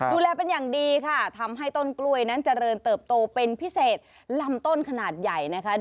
ดูแลเป็นอย่างดีค่ะทำให้ต้นกล้วยนั้นเจริญเติบโตเป็นพิเศษลำต้นขนาดใหญ่นะคะ